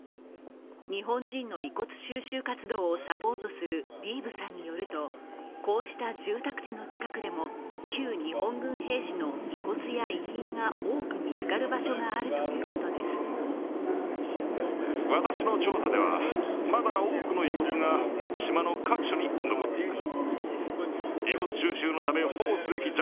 日本人の遺骨収集活動をサポートするディーブさんによるとこうした住宅地の近くでも旧日本軍兵士の遺骨や遺品が多く見つかる場所があるということです。